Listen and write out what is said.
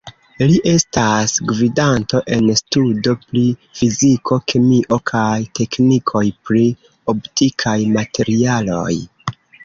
Li estas gvidanto en studo pri fiziko, kemio kaj teknikoj pri optikaj materialoj.